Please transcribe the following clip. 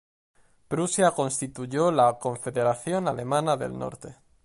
Prusia constituyó la "Confederación Alemana del Norte".